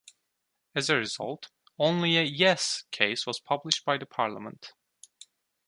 As a result, only a "yes" case was published by the Parliament.